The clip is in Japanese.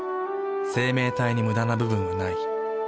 生命体にムダな部分はない。